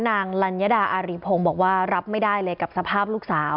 ลัญญาดาอาริพงศ์บอกว่ารับไม่ได้เลยกับสภาพลูกสาว